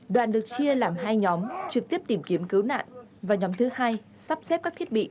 đoàn được chia làm hai nhóm trực tiếp tìm kiếm cứu nạn và nhóm thứ hai sắp xếp các thiết bị